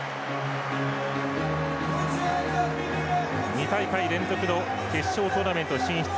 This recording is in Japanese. ２大会連続の決勝トーナメント進出。